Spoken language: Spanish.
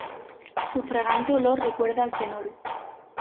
Su fragante olor recuerda al fenol.